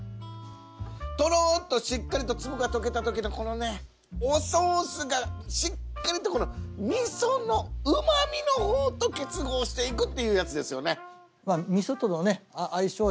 とろっとしっかりと粒が溶けた時のこのねおソースがしっかりと味噌のうまみの方と結合していくっていうやつですよね。